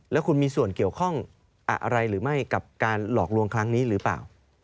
แล้วคุณมีส่วนเกี่ยวข้องอะไรหรือไม่กับการหลอกลวงครั้งนี้หรือเปล่า